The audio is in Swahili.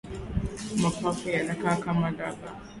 Mapafu yanakaa kama raba